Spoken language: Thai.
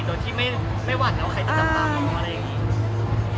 โดยที่ไม่หวังใครจะจำตามเรา